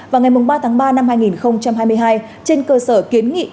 vào ngày ba tháng ba năm hai nghìn hai mươi hai trên cơ sở kiến nghị quốc gia